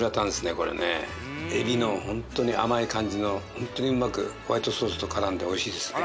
これね海老のホントに甘い感じのホントにうまくホワイトソースと絡んでおいしいですね